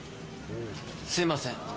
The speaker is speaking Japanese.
「すいません」